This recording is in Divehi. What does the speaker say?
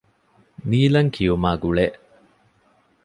ނީލަން ކިޔުމާގުޅޭ